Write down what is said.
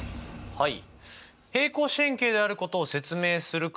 はい。